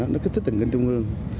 nó kích thích tình trạng trung ương